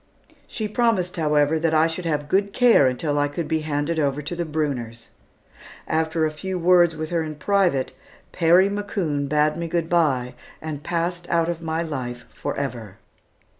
She promised, however, that I should have good care until I could be handed over to the Brunners. After a few words with her in private Perry McCoon bade me good bye, and passed out of my life forever.